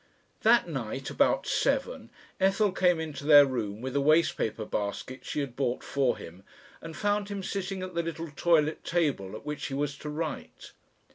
That night about seven Ethel came into their room with a waste paper basket she had bought for him, and found him sitting at the little toilet table at which he was to "write."